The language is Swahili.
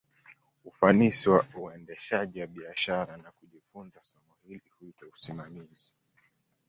Ufanisi wa uendeshaji wa biashara, na kujifunza somo hili, huitwa usimamizi.